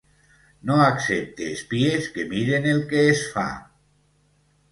No accepte espies que miren el que es fa.